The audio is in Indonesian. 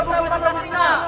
hidup kutip prabu marta singa